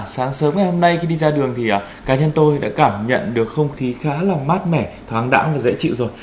sáng sớm ngày hôm nay khi đi ra đường thì cá nhân tôi đã cảm nhận được không khí khá là mát mẻ thoáng đẳng và dễ chịu rồi